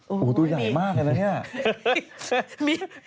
โอ้โหตัวใหญ่มากเลยนะเนี่ย